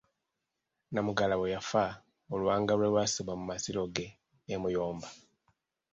Namugala bwe yafa oluwanga lwe lwassibwa mu masiro ge e Muyomba.